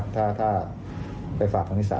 ถ้าไปฝากกัพฤษา